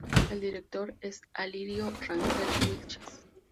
El Director es Alirio Rangel Wilches.